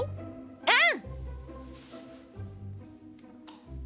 うん。